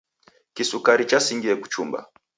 Kisukari chasingie kuchumba.